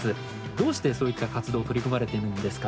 どうしてそういった活動取り組まれているんですか？